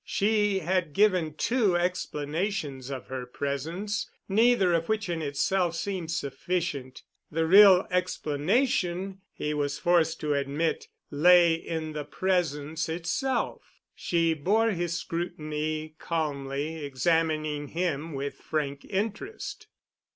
She had given two explanations of her presence, neither of which in itself seemed sufficient. The real explanation, he was forced to admit, lay in the presence itself. She bore his scrutiny calmly, examining him with frank interest.